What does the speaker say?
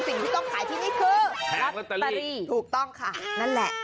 สิ่งที่ต้องขายที่นี่คือลอตเตอรี่ถูกต้องค่ะนั่นแหละ